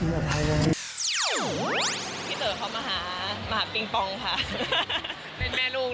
เต๋อเขามาหามาหาปิงปองค่ะ